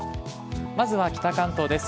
まずは北関東です。